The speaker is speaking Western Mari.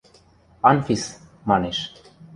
– Анфис, – манеш.